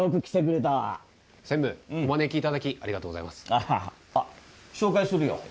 あああっ紹介するよ。